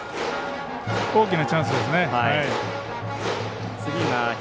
大きなチャンスですね。